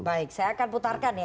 baik saya akan putarkan ya